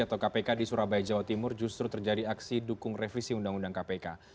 atau kpk di surabaya jawa timur justru terjadi aksi dukung revisi undang undang kpk